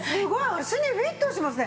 足にフィットしますね。